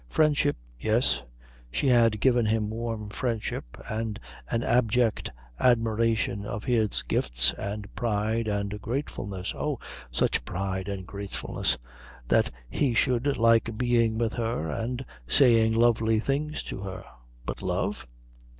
Friendship, yes; she had given him warm friendship, and an abject admiration of his gifts, and pride, and gratefulness oh, such pride and gratefulness that he should like being with her and saying lovely things to her; but love?